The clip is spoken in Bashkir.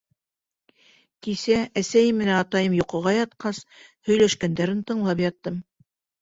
Кисә әсәйем менән атайым йоҡоға ятҡас, һөйләшкәндәрен тыңлап яттым.